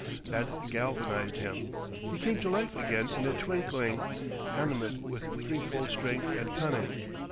That galvanized him; he came to life again in a twinkling, animate with threefold strength and cunning.